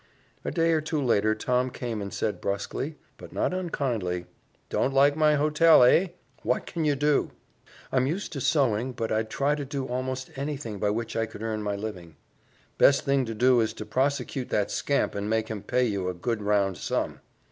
A day or two later Tom came and said brusquely, but not unkindly, "Don't like my hotel, hey? What can you do?" "I'm used to sewing, but I'd try to do almost anything by which I could earn my living." "Best thing to do is to prosecute that scamp and make him pay you a good round sum."